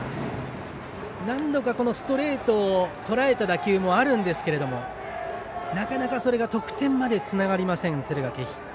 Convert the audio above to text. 何度か、このストレートをとらえた打球もあるんですけどなかなか、それが得点までつながらない敦賀気比。